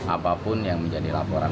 apapun yang menjadi laporan